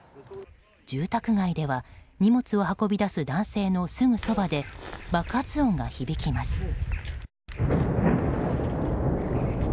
住宅街では荷物を運び出す男性のすぐそばで爆発音が響きます。